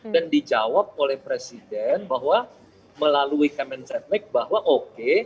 dan dijawab oleh presiden bahwa melalui kemen ceknek bahwa oke